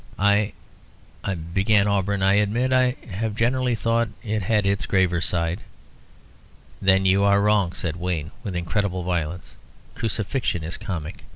"Well, I " began Auberon "I admit I have generally thought it had its graver side." "Then you are wrong," said Wayne, with incredible violence. "Crucifixion is comic.